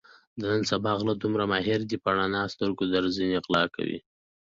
د نن سبا غله دومره ماهر دي په رڼو سترګو کې درځنې غلا کوي.